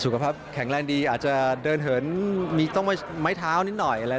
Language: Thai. สุขภาพแข็งแรงดีอาจจะเดินเหินมีต้องไม้เท้านิดหน่อยอะไร